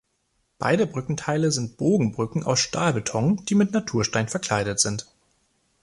Beide Brückenteile sind Bogenbrücken aus Stahlbeton, die mit Naturstein verkleidet sind.